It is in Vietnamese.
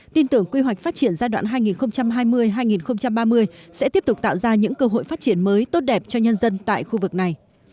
tin tưởng quy hoạch phát triển giai đoạn hai nghìn hai mươi hai nghìn ba mươi sẽ tiếp tục tạo ra những cơ hội phát triển mới tốt đẹp cho nhân dân tại khu vực này